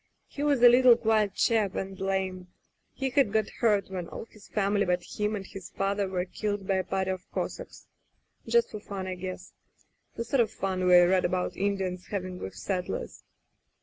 He was a little quiet chap and lame. He had got hurt when all his family but him and his father were killed by a party of Cossacks — ^just for fun, I guess. The sort of fun we read about Indians having with setders.